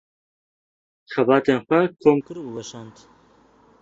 Xebatên xwe kom kir û weşand.